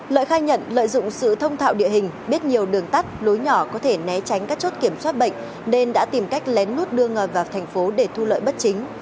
lợi khai nhận lợi dụng sự thông thạo địa hình biết nhiều đường tắt lối nhỏ có thể né tránh các chốt kiểm soát bệnh nên đã tìm cách lén lút đưa ngòi vào thành phố để thu lợi bất chính